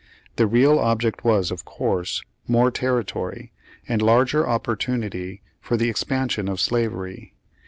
The real object was, of course, more territory, and larger opportunity for the expan sion of slavery.